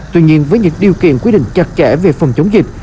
tuy nhiên với những điều kiện quy định chặt chẽ về phòng chống dịch